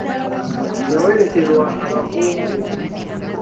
Yawerekerwa abakungu.